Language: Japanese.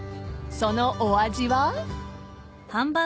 ［そのお味は］